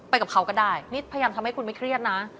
กับเขาก็ได้นี่พยายามทำให้คุณไม่เครียดนะ